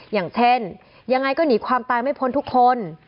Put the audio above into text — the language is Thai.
อย่างเช่นยังไงก็หนีความตายไม่พ้นทุกคน